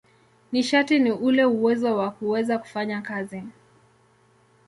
Nishati ni ule uwezo wa kuweza kufanya kazi.